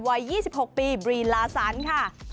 วัย๒๖ปีบรีลาสันค่ะ